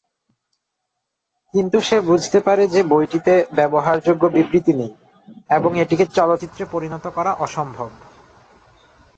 কিন্তু সে বুঝতে পারে যে বইটিতে ব্যবহারযোগ্য বিবৃতি নেই এবং এটিকে চলচ্চিত্রে পরিণত করা অসম্ভব।